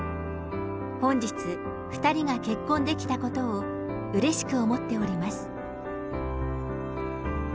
本日、２人が結婚できたことをうれしく思っております。